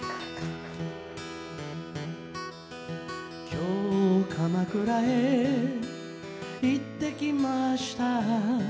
「今日鎌倉へ行って来ました」